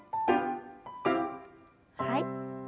はい。